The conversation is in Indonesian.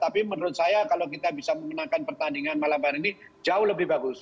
tapi menurut saya kalau kita bisa memenangkan pertandingan malam hari ini jauh lebih bagus